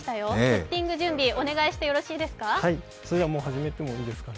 セッティング準備、お願いしてもいいですか。